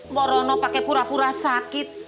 mbak rono pakai pura pura sakit